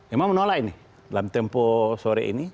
emang menolak ini dalam tempo sore ini